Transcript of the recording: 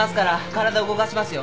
体動かしますよ。